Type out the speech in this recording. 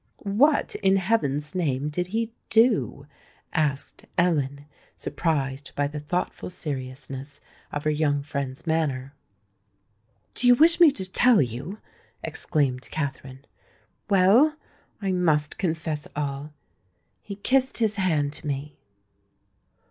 "What, in heaven's name, did he do?" asked Ellen, surprised by the thoughtful seriousness of her young friend's manner. "Do you wish me to tell you?" exclaimed Katherine. "Well—I must confess all! He kissed his hand to me."